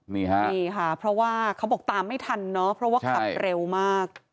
นี่ค่ะนี่ค่ะเพราะว่าเขาบอกตามไม่ทันเนาะเพราะว่าขับเร็วมาก